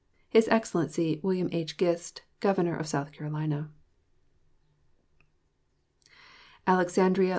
His Excellency William H. Gist, Governor of South Carolina MS.